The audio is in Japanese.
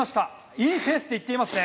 いいペースでいっていますね。